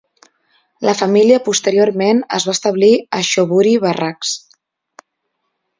La família posteriorment es va establir a Shoebury Barracks.